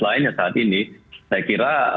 lainnya saat ini saya kira